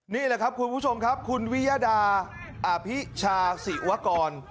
นี่แหละครับคุณผู้ชมครับคุณวิยดาอภิชาศิวกร